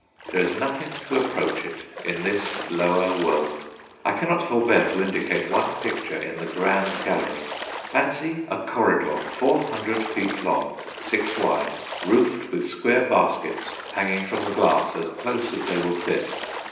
There is nothing to approach it in this lower world. I cannot forbear to indicate one picture in the grand gallery. Fancy a corridor four hundred feet long, six wide, roofed with square baskets hanging from the glass as close as they will fit.